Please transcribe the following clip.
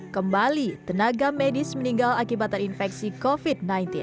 kembali tenaga medis meninggal akibat terinfeksi covid sembilan belas